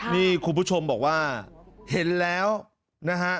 นี่คุณผู้ชมบอกว่าเห็นแล้วนะฮะ